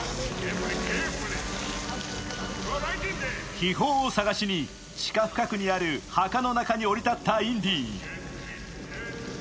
秘宝を探しに地下深くにある墓の中に降り立ったインディ。